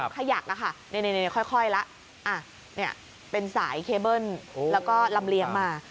ขยักละค่ะนี่ค่อยละเป็นสายเคเบิ้ลแล้วก็ลำเลียงมา